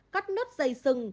cắt nốt dày sừng